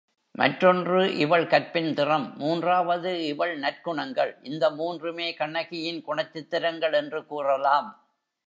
மற்றொன்று இவள் கற்பின் திறம் மூன்றாவது இவள் நற்குணங்கள் இந்த மூன்றுமே கண்ணகியின் குணச் சித்திரங்கள் என்று கூறலாம்.